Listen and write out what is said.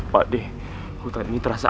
jangan lupa untuk memberi alamat